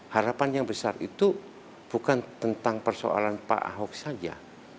harapan yang besar itu bukan tentang persoalan pak ahok saja